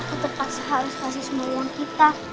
aku pasti harus kasih semua orang kita